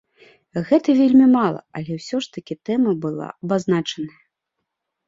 Гэта вельмі мала, але ўсё ж такі тэма была абазначаная.